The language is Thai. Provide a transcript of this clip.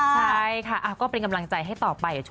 ใช่ค่ะก็เป็นกำลังใจให้ต่อไป